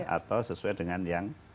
atau sesuai dengan yang